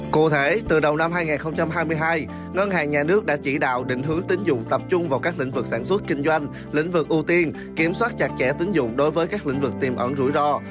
cụ thể từ đầu năm hai nghìn hai mươi hai ngân hàng nhà nước đã chỉ đạo định hướng tính dụng tập trung vào các lĩnh vực sản xuất kinh doanh lĩnh vực ưu tiên kiểm soát chặt chẽ tính dụng đối với các lĩnh vực tiềm ẩn rủi ro